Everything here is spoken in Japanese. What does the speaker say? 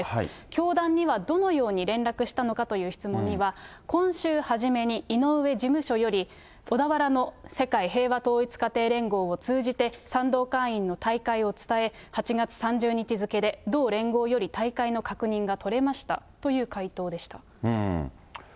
教団にはどのように連絡したのかという質問には、今週初めに、井上事務所より、小田原の世界平和統一家庭連合を通じて賛同会員の退会を伝え、８月３０日付で同連合より退会の確認が取れましたという回答でした。